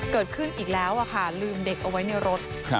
เกิดขึ้นอีกแล้วค่ะลืมเด็กเอาไว้ในรถ